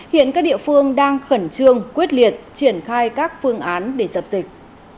hiện các địa phương đang khẩn trương quyết liệt triển khai các phương án để dập dịch